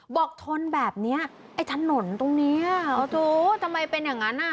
ทนแบบเนี้ยไอ้ถนนตรงเนี้ยอ๋อโถทำไมเป็นอย่างนั้นอ่ะ